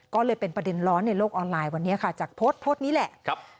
ก็เลยเป็นประเด็นร้อนในโลกออนไลน์วันนี้ค่ะจากโพสต์โพสต์นี้แหละ